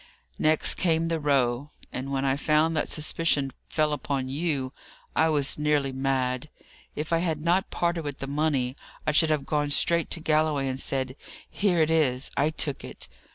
"Next came the row. And when I found that suspicion fell upon you, I was nearly mad. If I had not parted with the money, I should have gone straight to Galloway and said, 'Here it is; I took it.